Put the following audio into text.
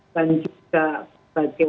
dan juga bagi media